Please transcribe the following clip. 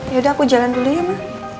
yaudah aku jalan dulu ya mbak